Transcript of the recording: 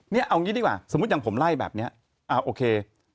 นี่เอางี้ดีกว่าสมมุติอย่างผมไล่แบบนี้โอเค